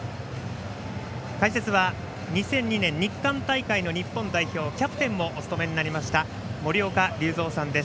解説は２００２年日韓大会の日本代表キャプテンもお務めになりました森岡隆三さんです。